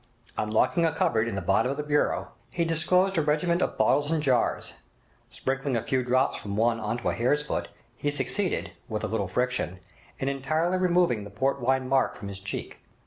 Unlocking a cupboard in the bottom of the bureau, he disclosed a regiment of bottles and jars. Sprinkling a few drops from one on to a hare's foot, he succeeded, with a little friction, in entirely removing the port wine mark from his cheek.